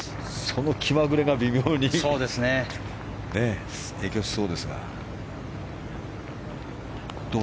その気まぐれが微妙に影響しそうですが。